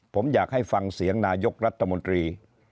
ผมอยากให้ฟังเสียงนายกรัฐมนตรี